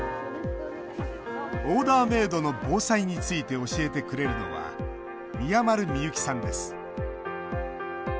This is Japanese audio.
オーダーメードの防災について教えてくれるのは宮丸みゆきさんです。